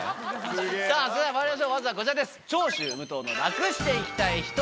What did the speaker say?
さぁそれではまいりましょうまずはこちらです。